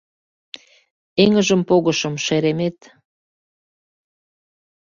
Эҥыжым погышым, шеремет.